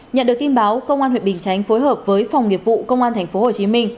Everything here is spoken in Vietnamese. nhận được tin báo công an huyện bình chánh phối hợp với phòng nghiệp vụ công an thành phố hồ chí minh